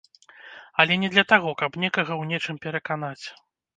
Але не для таго, каб некага ў нечым пераканаць.